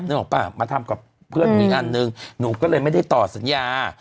ออกป่ะมาทำกับเพื่อนหนูอีกอันนึงหนูก็เลยไม่ได้ต่อสัญญา